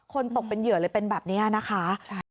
ตกเป็นเหยื่อเลยเป็นแบบนี้นะคะ